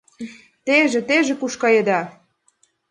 — Теже, теже куш каеда?